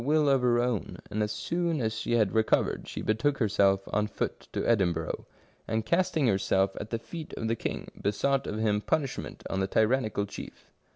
will of her own, and as soon as she had recovered, she betook herself on foot to Edinburgh, and casting herself at the feet of the king, besought of him punishment on the tyrannical chief.